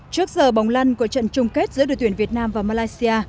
trước giờ bóng lăn của trận chung kết giữa đội tuyển việt nam và malaysia